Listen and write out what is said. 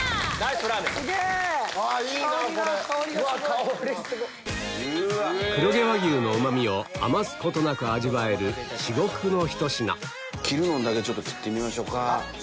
香りすごい！黒毛和牛のうまみを余すことなく味わえる至極のひと品切るのんだけちょっと切ってみましょか。